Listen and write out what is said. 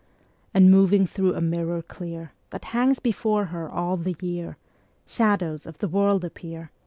And moving thro' a mirror clear That hangs before her all the year, Shadows of the world appear.